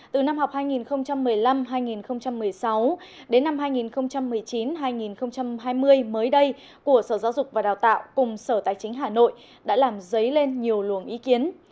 từ năm học hai nghìn một mươi năm hai nghìn một mươi sáu đến năm hai nghìn một mươi chín hai nghìn hai mươi mới đây của sở giáo dục và đào tạo cùng sở tài chính hà nội đã làm dấy lên nhiều luồng ý kiến